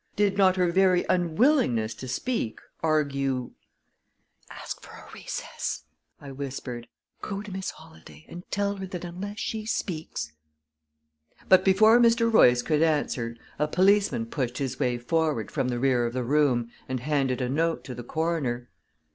Did not her very unwillingness to speak argue "Ask for a recess," I whispered. "Go to Miss Holladay, and tell her that unless she speaks " But before Mr. Royce could answer, a policeman pushed his way forward from the rear of the room and handed a note to the coroner.